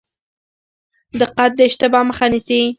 دقت د اشتباه مخه نیسي